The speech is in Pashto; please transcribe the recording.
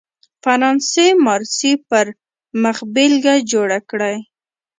فرانسې مارسي پر مخبېلګه جوړ کړی.